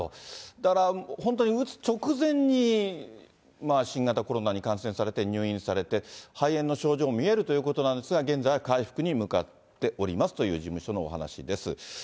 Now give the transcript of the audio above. だから本当に打つ直前に新型コロナに感染されて、入院されて、肺炎の症状も見えるということなんですが、現在は回復に向かっておりますという事務所のお話です。